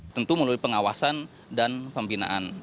tentu melalui pengawasan dan pembinaan